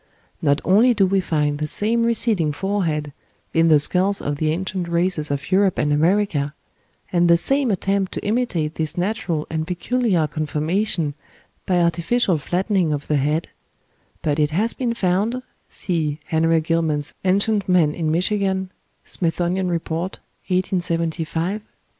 Not only do we find the same receding forehead in the skulls of the ancient races of Europe and America, and the same attempt to imitate this natural and peculiar conformation by artificial flattening of the head, but it has been found (see Henry Gillman's "Ancient Man in Michigan," "Smithsonian Report," 1875, p.